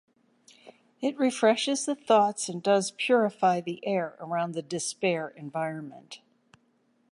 It refreshes the thoughts and does purify the air around the despair environment.